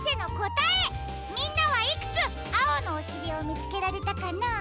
みんなはいくつあおのおしりをみつけられたかな？